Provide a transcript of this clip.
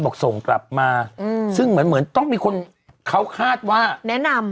บอกส่งกลับมาอืมซึ่งเหมือนเหมือนต้องมีคนเขาคาดว่าแนะนำ